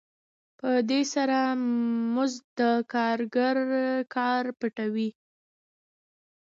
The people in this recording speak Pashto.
په دې سره مزد د کارګر کار پټوي